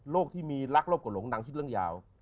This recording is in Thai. โลกที่มีลักษณ์ลบกว่าหลงนังชิดเรื่องยาว